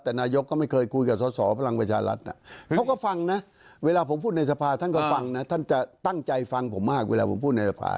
แต่นายกก็ไม่เคยคุยกับสอสอพลังประชารัฐนะเขาก็ฟังนะเวลาผมพูดในสภาท่านก็ฟังนะท่านจะตั้งใจฟังผมมากเวลาผมพูดในสภา